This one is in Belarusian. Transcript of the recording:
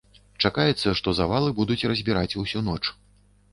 Чакаецца, што завалы будуць разбіраць усю ноч.